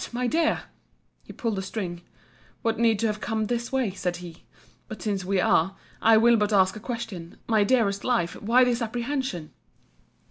my dear. He pulled the string—What need to have come this way? said he—But since we are, I will but ask a question—My dearest life, why this apprehension?